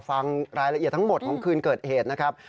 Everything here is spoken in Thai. ฟังรายละเอียดทั้งหมดของคืนเกิดเหตุนะครับ